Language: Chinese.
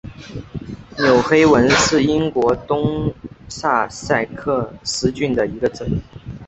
纽黑文是英国东萨塞克斯郡的一个镇。